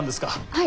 はい。